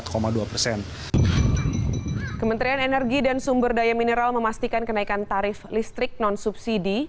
kementerian energi dan sumber daya mineral memastikan kenaikan tarif listrik non subsidi